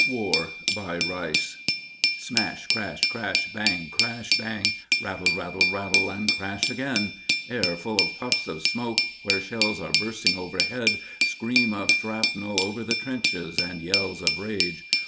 WAR BY RICE Smash! Crash! Crash! Bang! Crash! Bang! Rattle, rattle, rattle, and crash again. Air full of puffs of smoke where shells are bursting overhead, Scream of shrapnel over the trenches and yells of rage!